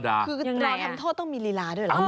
คือรอทำโทษต้องมีลีลาด้วยเหรอ